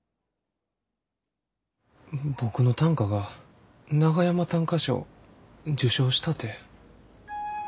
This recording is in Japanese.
僕の短歌が長山短歌賞受賞したて。